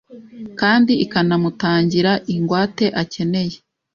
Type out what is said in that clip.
kandi ikanamutangira ingwate akeneye